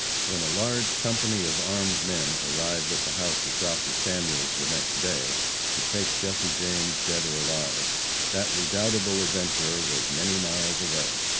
When a large company of armed men arrived at the house of Dr. Samuels, the next day, to take Jesse James dead or alive, that redoubtable adventurer was many miles away.